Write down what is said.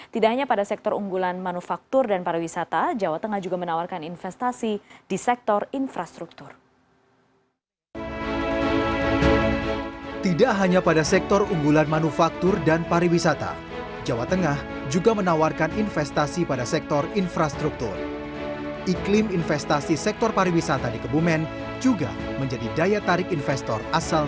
tidak hanya pada sektor unggulan manufaktur dan para wisata jawa tengah juga menawarkan investasi di sektor infrastruktur